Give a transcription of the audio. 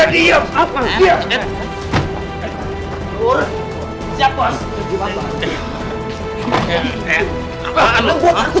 eh eh eh kepaan lo